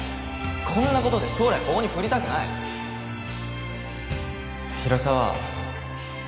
こんなことで将来棒に振りたくない広沢